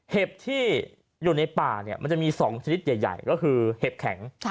เห็บที่อยู่ในป่าเนี่ยมันจะมี๒ชนิดใหญ่ก็คือเห็บแข็ง